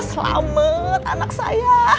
selamat anak saya